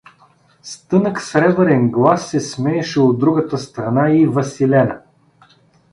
С тънък сребърен глас се смееше от другата страна и Василена.